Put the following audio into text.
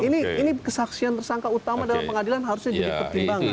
ini kesaksian tersangka utama dalam pengadilan harusnya jadi pertimbangan